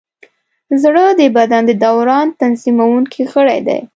زړه د بدن د دوران تنظیمونکی غړی دی.